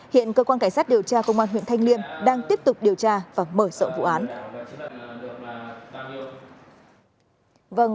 hiện cơ quan cảnh sát điều tra công an huyện thanh liêm đang tiếp tục điều tra và mở rộng vụ án